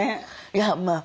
いやまあ